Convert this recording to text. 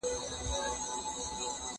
زه مخکي کار کړی و!